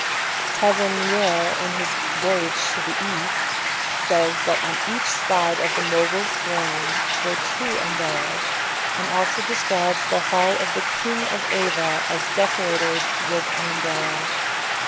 Tavernier, in his "Voyage to the East," says that on each side of the Mogul's throne were two Umbrellas, and also describes the hall of the King of Ava as decorated with an Umbrella.